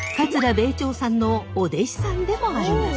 米朝さんのお弟子さんでもあります。